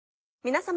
皆様。